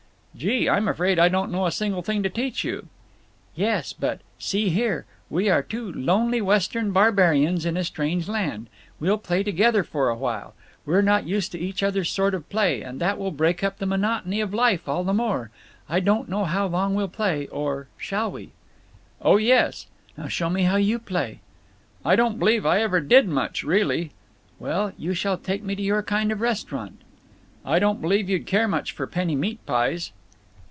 "Gee! I'm afraid I don't know a single thing to teach you." "Yes, but—See here! We are two lonely Western barbarians in a strange land. We'll play together for a little while. We're not used to each other's sort of play, but that will break up the monotony of life all the more. I don't know how long we'll play or—Shall we?" "Oh yes!" "Now show me how you play." "I don't believe I ever did much, really." "Well, you shall take me to your kind of a restaurant." "I don't believe you'd care much for penny meat pies."